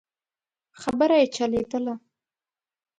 خبره يې چلېدله.